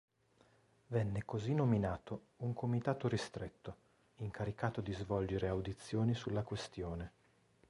Venne così nominato un "comitato ristretto" incaricato di svolgere audizioni sulla questione.